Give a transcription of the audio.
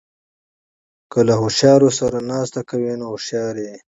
که له هوښیارو سره ناسته کوئ؛ نو هوښیار يې.